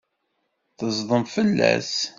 Tezḍem fell-as.